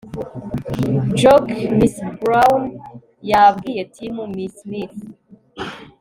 jock mcbrown yabwiye tam mcsmith